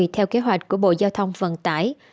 theo kế hoạch của bộ giao thông vận tải